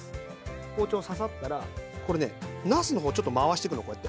包丁刺さったらこれねなすの方をちょっと回してくのこうやって。